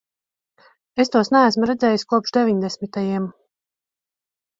Es tos neesmu redzējis kopš deviņdesmitajiem.